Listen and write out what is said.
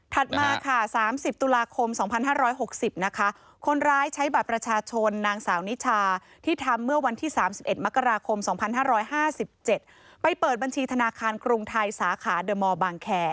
มาค่ะ๓๐ตุลาคม๒๕๖๐นะคะคนร้ายใช้บัตรประชาชนนางสาวนิชาที่ทำเมื่อวันที่๓๑มกราคม๒๕๕๗ไปเปิดบัญชีธนาคารกรุงไทยสาขาเดอร์มอร์บางแคร์